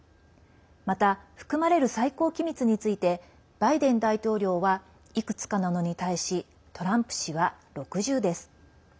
また、含まれる最高機密についてバイデン大統領はいくつかなのに対しトランプ氏は６０です。